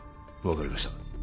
分かりました